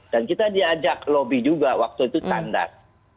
dan kita diajak lobby juga waktu itu tandas